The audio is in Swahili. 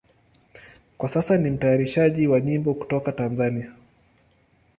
Kwa sasa ni mtayarishaji wa nyimbo kutoka Tanzania.